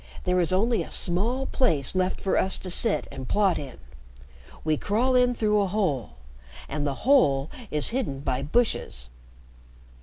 There is only a small place left for us to sit and plot in. We crawl in through a hole, and the hole is hidden by bushes."